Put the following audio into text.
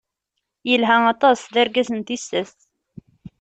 Yelha aṭas d argaz n tissas.